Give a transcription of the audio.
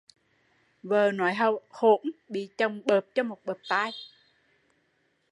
Vợ nói hỗn bị chồng bợp cho một bợp tai